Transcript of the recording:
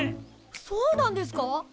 そうなんですか！？